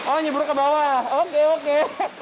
oh nyebur ke bawah oke oke